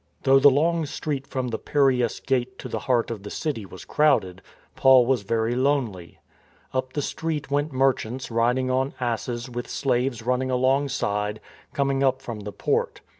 Though the long street from the Piraeus gate to the heart of the city was crowded, Paul was very lonely. Up the street went merchants riding on asses with slaves running alongside, coming up from the port.